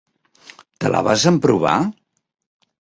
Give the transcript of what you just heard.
Te la vas emprovar?